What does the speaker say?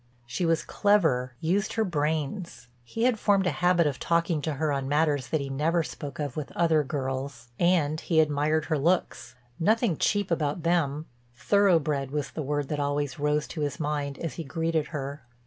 She was clever, used her brains; he had formed a habit of talking to her on matters that he never spoke of with other girls. And he admired her looks, nothing cheap about them; "thoroughbred" was the word that always rose to his mind as he greeted her.